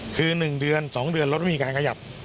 คือ๑เดือน๒เดือนรถไม่มีการขยับ